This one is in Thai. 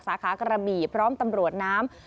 สาขากระบี่พร้อมตำรวจน้ำ